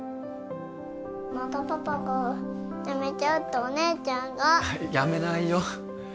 またパパがやめちゃうってお姉ちゃんがやめないよ